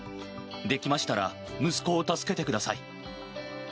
できましたら息子を助けてください。